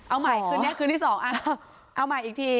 เอาใหม่คืนนี้คืนที่สองเอาใหม่อีกที